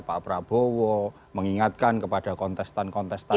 pak prabowo mengingatkan kepada kontestan kontestan